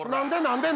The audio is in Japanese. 何で？